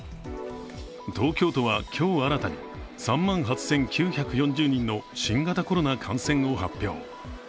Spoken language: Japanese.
東京都は今日新たに３万８９４０人の新型コロナ感染を発表。